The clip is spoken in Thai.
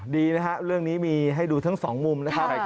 ดีนะฮะเรื่องนี้มีให้ดูทั้งสองมุมนะครับ